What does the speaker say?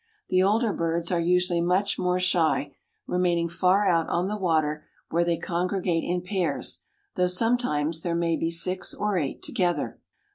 The older birds are usually much more shy, remaining far out on the water where they congregate in pairs, though sometimes there may be six or eight together.